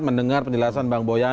mendengar penjelasan bang boyamin